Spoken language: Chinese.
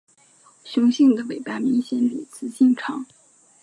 雄性的尾巴明显比雌性长。